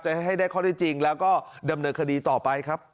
ให้ได้ข้อได้จริงแล้วก็ดำเนินคดีต่อไปครับ